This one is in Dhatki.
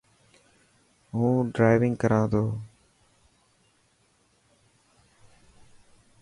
هون ڊرائونگ ڪران ٿو.